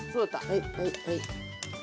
はいはいはい。